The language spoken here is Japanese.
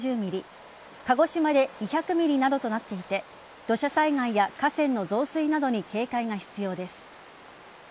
鹿児島で２００ｍｍなどとなっていて土砂災害や河川の増水などに警戒が必要です。